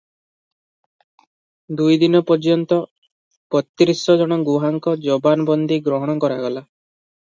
ଦୁଇଦିନ ପର୍ଯ୍ୟନ୍ତ ବତ୍ରିଶ ଜଣ ଗୁହାଙ୍କ ଜବାନବନ୍ଦୀ ଗ୍ରହଣ କରାଗଲା ।